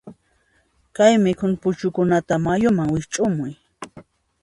Chay mikhuna puchuykunata mayuman wiqch'umuy.